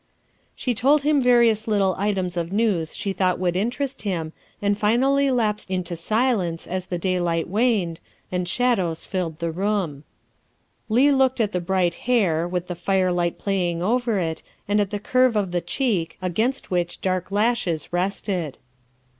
She told him various little items of news she thought would interest him, and finally lapsed into silence as the daylight waned and shadows filled the room. THE SECRETARY OF STATE 347 Leigh looked at the bright hair, with the firelight playing over it, and at the curve of the cheek, against which the dark lashes rested.